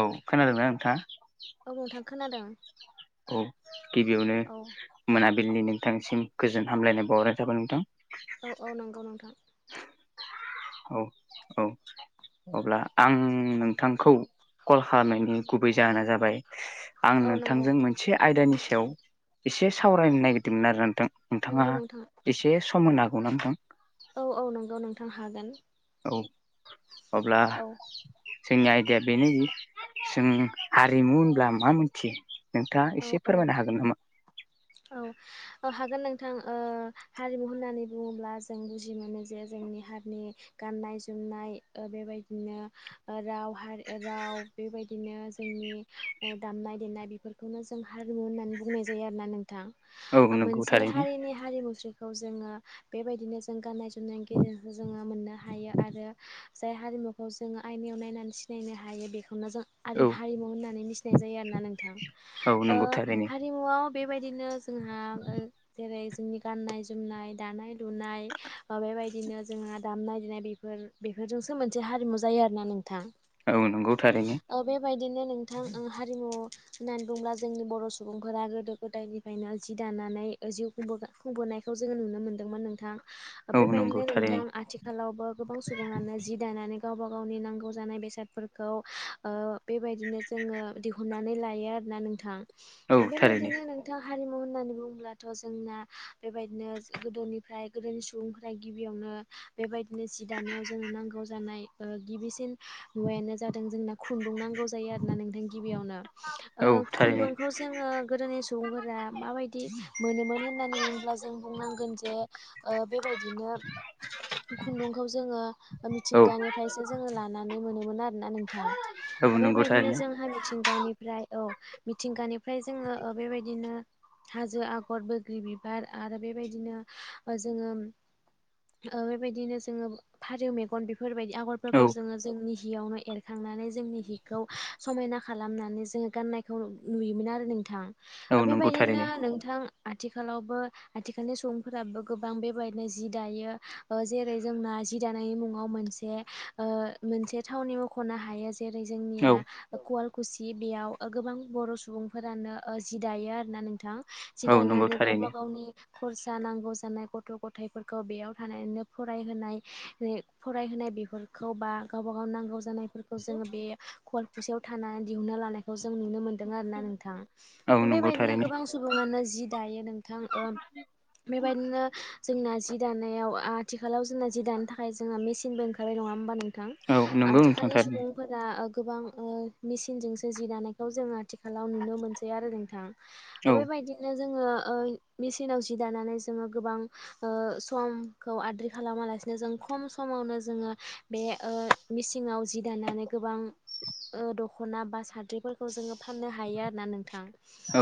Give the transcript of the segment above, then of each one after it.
औ खोनादोंना नोंथाङा? औ नोंथां खोनादों। औ गिबियावनो औ मोनाबा बिलनि नोंथांनिसिम गोजोन हामलायनाय बावहरनाय थाबाय नोंथां। औ औ नंगौ नोंथां। [inaudible] औ औ अब्ला आं नोंथांखौ कल खालामनायनि गुबै जाहोना जाबाय आं औ नंगौ नोंथांजों मोनसे आयदानि सायाव एसे सावरायनो नागिरदोंमोन आरो नोंथां नोंथाङा नंगौ नोंथां एसे सम होनो हागोन नामा नोंथां। औ औ नंगौ नोंथां हागोन। औ अब्ला औ जोंनि आयदाया बेनोदि जों हारिमु होनब्ला मा मोनथियो नोंथाङा औ एसे औ फोरमायनो हागोन नामा? गोथां हारिमु होननानै बुङोब्ला जों बुजि मोनो जे जोंनि हारिनि गाननाय जोमनाय नाय बेबायदिनो राव हारि राव बेबायदिनो जोंनि दामनाय देनाय बेफोर बेखौनो जों हारिमु होननानै बुंनाय जायो आरोोना औ नोंथां नंगौ मोनसे थारैनो हारिनि हारिमु खौ जोङो बेबायदिनो जों गाननाय जोमनायनि गेजेरजों जोङो मोननो हायो आरो जाय हारि खौ जोङो आइनायाव नायनानै सिनायनो हायो बे खौनो जों औ हारिमु होननानै मिथिनाय जायो आरोना औ नोंथां नंगौ थारैनो हारिमुवआव बेबायदिनो जोंहा जेरै जोंनि गाननाय जोमनाय दानाय लुनाय बेबायदिनो जोंहा दामनाय देनाय बेफोर बेफोरजोंसो मोनसे हारिमु जायो आरोना नोंथां। औ नंगौ थारैनो। बिदिनो नोंथां आं हारिमु होननानै बुंङोब्ला जोंनि बर' सुबुंफोरा गोदो गोदायनिफ्रायनो जि दानानै जिउ खुंबोनायखौ जोङो नुनो मोनदोंमोन नोंथां। औ नंगौ बेबायदिनो थारैनो नोंथां आथिखालावबो गोबां सुबुङानो जि दानानै गावबा गावनि नांगौ जानाय बेसादफोरखौ बेबायदिनो जोङो दिहुननानै लायो। आरोना नोंथां औ थारैनो बेबायदिनो नोंथां। हारिमु होननानै बुङोब्लाथ' जोंना बेबायदिनो गोदोनिफ्राय गोदोनि सुबुंफोरा गिबियावनो बेबायदिनो जि दानायाव जोंनो नांगौ जानाय गिबिसिन मुवायानो जादों जोंना खुन्दुं नांगौ जायो आरोना नोंथां गिबियावनो औ थारैनो खुन्दुंखौ जोङो गोदोनि सुबुंफोरा माबायदि मोनोमोन होननानै बुंङोब्ला जों बुंनांगोन जे बेबायदिनो खुन्दुंखौ जोङो औ मिथिंगानिफ्रायसो जोङो लानानै मोनोन आरोना नोंथां औ नंगौ बेबायदिनो थारैनो जोंहा मिथिंगानिफ्राय औ मिथिंगानि फ्राय जोङो बेबायदिनो हाजो आगर बग्रि बिबार आरो बेबायदिनो जोङो ओ बेबायदिनो जोङो फारौ मेगन बेफो बेफोरबायदि औ आगरफोरखौ जोङो जोंनि हियावनो एरखांनानै जोंनि हिखौ समायना खालामनानै जोङो गाननायखौ नुयोमोन आरो नोंथां औ नंगौ बेबायदिनो थारैनो नोंथां आथिखालावबो आथिखालनि सुबुंफोराबो गोबां बेबायदिनो जि दायो ओ जेरै जोंना जि दानायनि मुं याव मोनसे ओ मोनसे थावनि मोखोनो हाया जेरै औ जोंनिया कवालकुसि बेयाव गोबां बर' सुबुंफोरानो जि दायो आरोना नोंथां। जि औ नंगौ दानानै थारैनो गावबा गावनि खरसा नांगौ जानाय गथ' गथायाइफोरखौ बेयाव थानानैनो फरायहोनाय फरायहोनाय बेफोरखौ बा गावबा गाव नांगौ जानायफोरखौ जोङो बे खवाल खुसेयाव थानानै दिहुननो लानायखौ जों जों नुनो मोनदों आरो ना नोंथां औ नंगौ बेबायदिनो थारैनो गोबां सुबंआनो जि दायो नों थां बेबायदिनो जोंना जि दानायाव आथिखालाव जोंना जि दानो थाखाय जोंना मेसिनबो ओंखारबाय नङा होमबा नों थां औ नंगौ नोंथां आथिखालनि थारैनो सुबुंफोरा ओ गोबां ओ मेसिनजोंसो जि दानायखौ जोङो आथिखालाव नुनो मोनसै आरो नोंथां औ बेबायदिनो जोङो ओ मेचिनाव जि दानानै जोङो गोबां ओ समखौ आद्रि खालामाला लासे जों खम समावनो जोङो बे ओ मिसिङाव जि दानानै गोबां ओ दखना बा साद्रिफोरखौ जोङो फाननो हायो आरो ना नोंथां।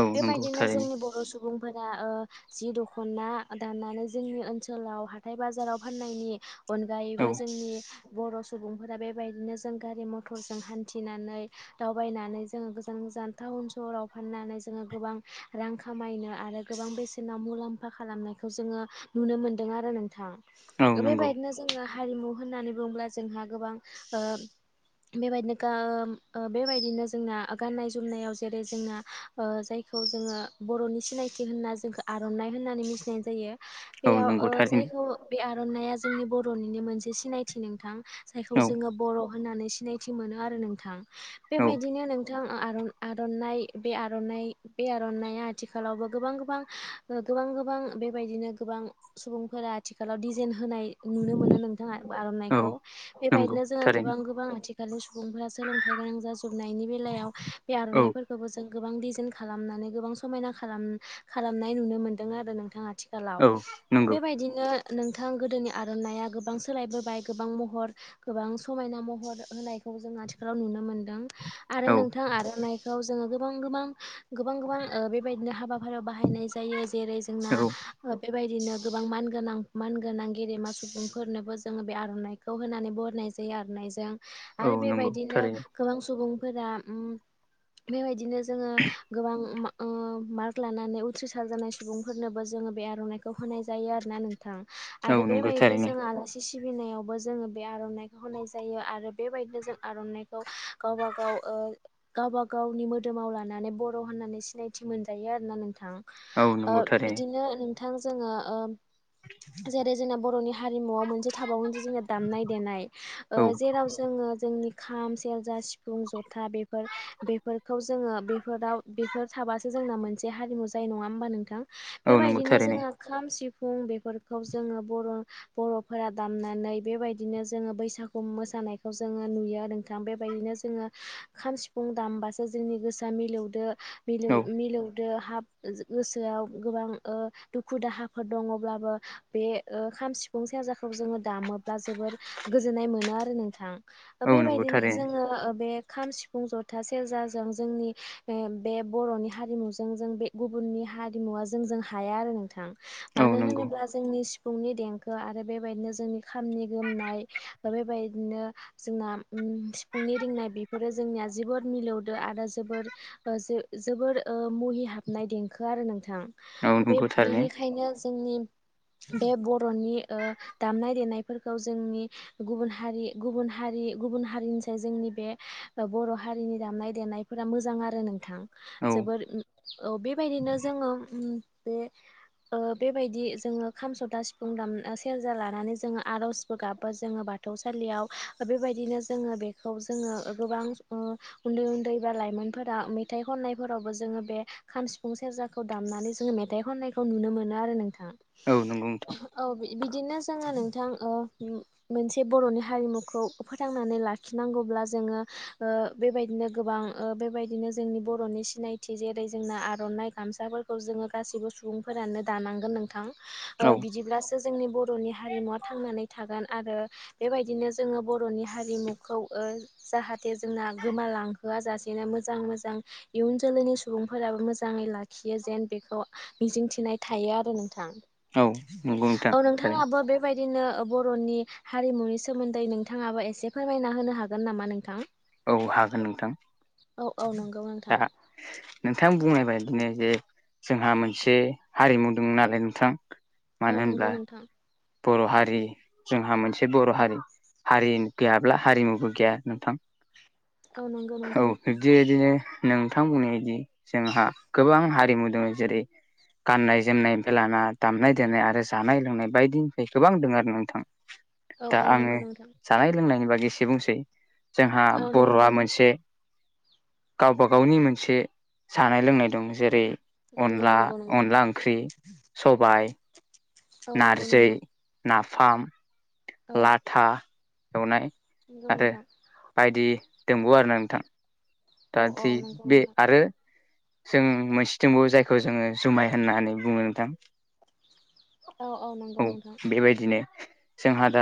औ नंगौ थारैनो जोंनि बर' सुबु बुंफोरा ओ जि दखना दाननानै जोंनि ओनसोलाव हाथाय बाजाराव फाननायनि अनगायैबो औ जोंनि बर' सुबुंफोरा बेबायदिनो जों गारि मथरजों हान्थिनानै दाउ बायनानै जोङो गोजान गोजान टाउन सहराव फाननानै जोङो गोबां रां खामायनो आरो गोबां बेसेनाव मुलाम्फा खालामनायखौ जोङो नुनो मोनदों आरो नोंथां औ नंगौ बेबायदिनो जोङो हारिमु होननानै बुङोब्ला जोंहा गोबां ओ बेबायदिनो गा ओ ओ बेबायदिनो जोंना गाननाय जोमनायाव जेरै जोंना ओ जायखौ जोङो बर'नि सिनायथि हो होनना जोंखौ आरनाइ होननानै मिथिनाय जायो औ बेयाव नंगौ ओ थारैनो जायखौ बे आर'नाइआ जोंनि बर'निनो मोनसे सिनायथि नोंथां जायखौ औ जोङो बर' होननानै सिनायथि मोनो आरो नोंथां औ बेबायदिनो नोंथां आ आर आर'नाइ बे आर'नाइ बे आर'नाइया आथिखालावबो गोबां गोबां ओ गोबां गोबां बेबायदिनो गोबां सुबुंफोरा आथिखालाव दिजेन हो होनाय नुनो मोनो नोंथाङा आर'नाइखौ औ नंगौ बेबायदिनो जोङो थारैनो गोबां गोबां आथि खालनि सुबुंफोरा सोलोंथाइ गोनां जाजोबनायनि बेलायाव बे औ आर'नाइफोरखौबो जों गोबां डिजेन खालामनानै गोबां समायना खालाम खालामनाय नुनो मोन्दों आरो नोंथाङा। आथिखालाव औ नंगौ बेबायदिनो नोंथां गोदोनि आर'नायइया गोबां सोलायबोबाय गोबां महर गोबां समायना महर होनाय जों आथिखालाव नुनो मोनदों आरो औ औ नोंथां आर'नाइखौ जोङो गोबां गोबां गोबां गोबां बेबायदिनो हाबा बाहायनाय जायो जेरै जोंना ओ बे बेबायदिनो गोबां मानगोनां मानगोनां गेदेमा सुबुंफोरनोबो जोङो बे आर'नाइखौ होनानै बरनाय जा जायो आरोनाइजों औ नंगौ बेबायदिनो थारैनो गोबां सु सुबुंफोरा ओम बेबायदिनो जोङो गोबां ओम मार्क लानानै उथ्रिसार जानाय सुबुंफोरनोबो जोङो बे आर'नाइखौ होनाय जायो आरोना नों थां औ आरो नंगौ बेबायदिनो थारैनो जों आलासि सिबिनायावबो जोङो बे आर'नाइखौ होनाय जायो आरो बेबायदिनो जों आर'नाइखौ गावबा गाव ओ गावबा गावनि मोदोमाव लानानै बर' होननानै सिनायथि मोनजायो आरोना नोंथां। औ ओ नंगौ थारैनो बिदिनो नोंथां जोङो ओ जेरै जोंना बर'नि हा हारिमुवआव मोनसे थाबावोन जे जोंनि दामनाय देनाय ओ औ जेराव जोङो जोंनि खाम सेरजा सि फुं जथा बेफोर बेफोरखौ जोङो बेफोराव बेफोर थाबासो जोंना मोनसे हारिमु जा नाय नङा होमबा नोंथां औ नंगौ बेबायायदिनो थारैनो जों खाम सि फुं बेफोरखौ जोङो बर' बर'फोरा दामनानै बेबायदिनो जोङो बैसागु मोसा नायखौ जोङो नुयो नोंथां बेबायदिनो जोङो खाम, सिफुं दामबासो जोंनि गोसोआ मिलौदो मिलौ औ मिलौ दोहाब गोसोआव गोबां ओ दुखु दाहाफोर दङब्लाबो बे ओ खाम, सिफुं सेराजाखौ जोङो दामोब्ला जोबोर गोजोननाय मोनो आरो नोंथां औ नंगौ बेबायदिनो थारैनो जोङो बे खाम, सिफुं, जथा, सेरजाजों जोंनि बे बर'नि हारिमुजों जों बे गुबुन नि हारिमुवा जोंजों हाया आरो नोंथां औ मानो नंगौ होनोब्ला जोंनि सिफुंनि देंखो आरो बेबायदिनो जोंनि खामानि गोमनाय बेबायदिनो जोंना सिफुंनि रिंनाय बेफोरो जोंनिया जोबोर मिलौदो आरो जोबोर जोबोर मुहि हाबनाय देंखो आरो नोंथां औ बे नंगौ थारैनो बेनिखायनो जोंनि बे बर'नि ओ दामनाय देनायफोरखौ जोंनि गुबुन हारि गुबुन हारि गुबुन हारिनिसाय जोंनि बे बर' हारिनि दामनाय देनायफोरा मोजां आरो नोंथां औ जोबोद औ बेबायदिनो जोङो बे ओ बेबायदि जोङो खाम, जथा, सिफुं दाम सेरजा लानानै जोङो आर'जबो गाबो जोङो बा थौसालियाव बेबायदिनो जोङो बेखौ जोङो गोबां उन्दै उन्दै बा लाइमोनफोरा मेथाइ खननायफोरावबो जोङो बे खाम, सिफुं, सेर सेरजाखौ दामनानै जोङो मेथाइ खननायखौ नुनो मोनो आरो नोंथां। औ नंगौ नोंथां औ बिदिनो जोङो नोंथां ओ मोनसे बर'नि हारिमुखौ फोथांनानै लाखिनांगौब्ला जोङो बेबायदिनो गोबां बेबायदिनो जोंनि बर'नि सिनायथि जेरै जोंना आर' नाइ गामसाफोरखौ जोङो गासिबो सुबुंफोरानो दानांगोन नोंथां औ बिदिब्लासो जोंनि बर'नि हारिमुवा थांनानै थागोन आरो बेबायदिनो जोङो बर'नि हारिमुखौ ओ जाहाथे जोंना गोमालांहोआ जाासेनो मोजां मोजां इयुन जोलैनि सुबुंफोराबो मोजा ङै लाखियो जेन बेखौ मिजिंथिनाय थायो आरो नोंथां औ नंगौ नोंथां औ थारैनो नोंथाङाबो बेबायदिनो बर'नि हारिमुनि सोमोन्दै नोंथाङाबो एसे फोरमायना होनो हागोन नामा नोंथां औ हागोन नोंथां औ औ नंगौ दा नोंथां नोंथां बुंनाय बादिनो जे जोंहा मोनसे हारिमु दं नालाय नोंथां औ मानो नंगौ होनब्ला नोंथां बर' हारि जोंहा मोनसे बर' हारि हारि गैयाब्ला हारिमुबो गैया नोंथां औ नंगौ औ नोंथां बिब्दि बादिनो नोंथां बुंनायबायदि जोंहा गोबां हारिमु दङ जेरै गाननाय जोमनायनिनायनिफ्राय लाना दामनाय देनाय आरो जानाय लोंनाय बायदिनिफ्राय गोबां दङ आरो नोंथां औ दा औ आङो नंगौ नोंथां जानाय लोंनायनि बागै एसे बुंसै जोंहा औ नंगौ बर'वा मोनसे गावबागावनि मोनसे जानाय लोंनाय दं जेरै नंगौ अनला नंगौ नंगौ अनला ओंख्रि सबाइ औ नंगौ नारजि नोंथां नाफाम औ लाथा एवनाय नंगौ नोंथां दङ आरोना नोंथां औ औ दादि नंगौ बे नोंथां आरो जों मोनसे दंबावो जायखौ जोङो जुमाइ होननानै बुङो नोंथां औ औ नंगौ नोंथां जोंहा दा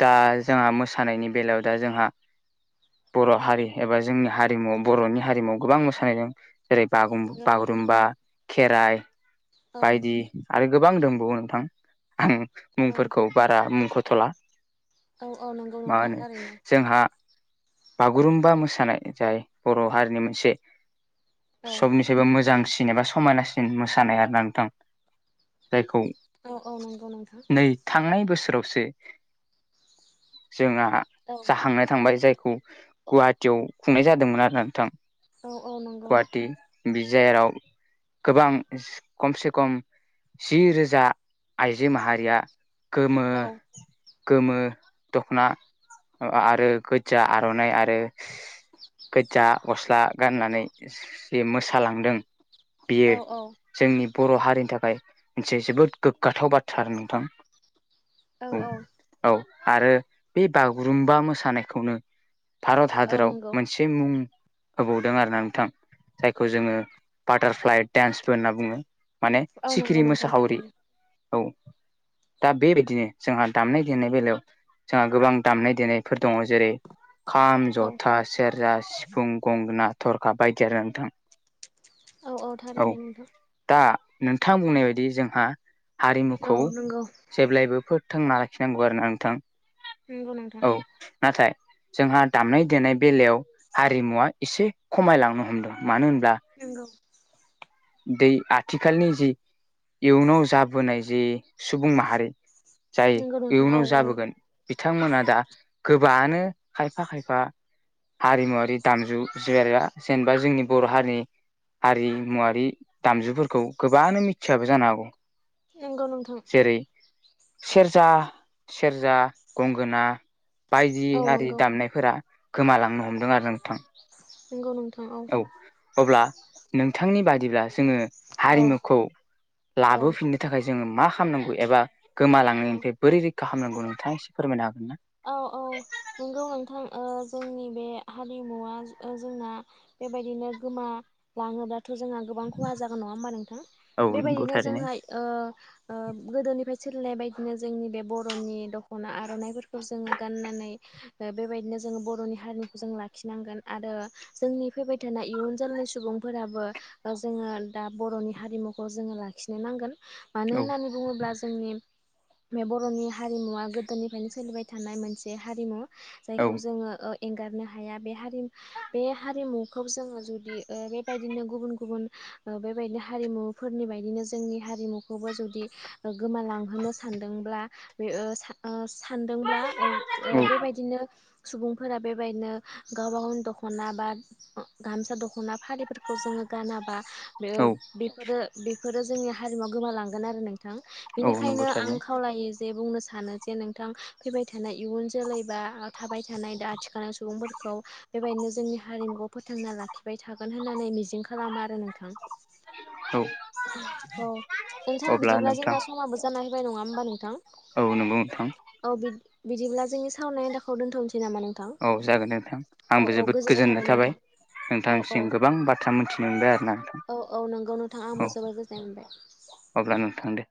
दा जोंहा मोसानायनि बेलायाव दा जोंहा बर' हारि एबा जोंनि हारिमु बर'नि हारिमुवाव गोबां मोसानाय दं। जेरै बागु नंगौ नोंथां बागुरुम्बा खेराइ औ बायदि आरो गोबां दंबावो नोंथां ओम औ मुंफोरखौ बारा मुंखथ'ला औ औ नोंगौ मा नोंथां होनो थारैनो जोंहा बागुरुम्बा मोसानाय जाय बर' हारिनि मोनसे औ सबनिफ्रायबो मोजांसिन एबा समायनासिन मोसानाय आरो ना नोंथां जायखौ औ औ नंगौ नोंथां नै थांनाय बोसोरावसो जोंहा औ जाखांना थांबाय जायखौ गुवाहाटियाव खुंनाय जादोंमोन आरो ना नोंथां औ औ नोंगौ गुवाहाटि बि जेराव गोबां खमसे खम जि रोजा आइजो माहारिया गोमो औ गोमो दख'ना आरो गोजा आर'नाइ आरो गोजा गस्ला गाननानै जि मोसालांदों बियो औ औ जोंनि बर' हारिनि थाखाय जोबोद गोग्गाथाव बाथ्रा नोंथां औ औ आरो बे बागुरुम्बा मोसानायखौनो भारत औ हादराव नंगौ मोनसे मुं होबावदों आरोना नोंथां जायखौ जोङो बाटारफ्लाइ डेन्स बुङो माने औ नंगौ सिखिरि नोंथां मोसाहावरि थारैनो औ दा बेबायदिनो जोंहा दामनाय देनाय बेलायाव जोंहा गोबां दामनाय देनायफोर दङ जेरै खाम औ जथा सेरजा सिफुं गंगोना थरखा बायदि आरो नोंथां औ औ थारैनो नोंथां दा नोंथां बुंनाय बायदि जोंहा हारिमुखौ औ नंगौ जेब्लायबो थांन लाखिनांगौ आरो ना नोंथां नोंगौ नोंथां औ नाथाय जोंहा दामनाय देनाय बेलायाव हारिमुवा इसे खमायलांनो हमदों मानो होन नोंगौ बि आथिखालनि जि इयुनाव जाबोनाय जे सुबुं माहारि जाय नंगौ नोंथां औ इयुनाव औ जाबोगोन बिथांमोना दा गोबाङानो खायफा खायफा हारिमुवारि दामजु [unintelligible] जेनेबा जोंनि बर' हारिनि हारिमुवारि दामजुफोरखौ गोबाङानो मिथियाबो जानो हागौ नोंगौ नोंथां जेरै सेरजा सेरजा गंगोना बायदि औ आरि नंगौ दामनायफोरा गोमालांनो हमदों आरो नोंथां नोंगौ नोंथां औ अब्ला नोंथांनि बादिब्ला जोङो औ हारिमुखौ औ लाबोफिननो थाखाय जोङो मा खालामनांगौ एबा औ गोमालांनायनिफ्राय बोरै रैखा खालामनांगौ नोंथाङा एसे फोरमायनो हागोन ना औ औ नोंगौ नोंथां ओ जोंनि बे हारिमुवा जोंना बेबायदिनो गोमा लाङोबा जोंहा गोबां खहा जागोन नङा होमबा नोंथां औ नंगौ बेबायदिनो थारैनो जोंहा ओ ओ गोदोनि सोलिनाय बायदिनो जोंनि बे बर'नि दख'ना आर'नाइफोरखौ जोङो गाननानै बेबायदिनो जोङो बर'नि हारिमुखौ जों लाखिनांगोन आरो जोंनि फैबाय थानाय इयुन जोलै सुबुंफोराबो जोङो दा बर'नि हारिमुखौ जोङो लाखिनो नांगोन मानो औ होननानै बुङोब्ला जोंनि बे बर'नि हारिमुवा गोदोनिफ्रायनो सोलिबाय थानाय मोनसे हारिमु औ जायखौ जोङो एंगारनो हाया बे हारि बे हारिमुखौ जोङो जुदि ओ बेबायदिनो गुबुन गुबुन बेबायदिनो हारिमुफोरनि बायदिनो जोंनि हारिमुखौबो जुदि गोमालांहोनो सान दोंब्ला बे ओ सा ओ सानदोंब्ला ओ ओ बेबायदिनो सुबुंफोरा बेबायदिनो गावबागावनि दख'ना बा गामसा दख'ना फालिफोरखौ जोङो गानाब बा औ बे-बेफोरो बेफोरो जोंनि हारिमुवा गोमालांगोन आरो नों नोंथां औ नंगौ बिनिखायनो आं थारैनो खावलायो जे बुंनो सानो जे नोंथां फैबाय थानाय इयुन जोलै बा थाबाय थानाय दा आथिखालनि सुबुंफोरखौ बेबायदिनो जोंनि हारिमु फोथांना लाखिबाय थागोन होननानै मिजिं खालामो आरो नोंथां औ औ नोंथां अब्ला बिदिब्ला नोंथां जोंना समाबो जानाय होबाय नङा होमबा नोंथां औ नोंगौ नोंथां। औ बिद - बिदिब्ला जोंनि सावनाय आयदाखौ दोन्थ'निसै औ जागोन दे नोंथां आंबो जोबोद गोजोननाय थाबाय। औ औ नोंथांसिम गोबां बाथ्रा मोनथिनो मोनबाय आरोना नोंथां औ औ नंगौ नोंथां औ आंबो जोबोर गोजोननाय मोनबाय। अब्ला नोंथां दे।